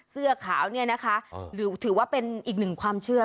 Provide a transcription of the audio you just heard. เสื้อขาวเนี่ยนะคะถือว่าเป็นอีกหนึ่งความเชื่อ